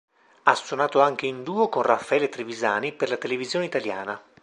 Ha suonato anche in duo con Raffaele Trevisani per la televisione italiana.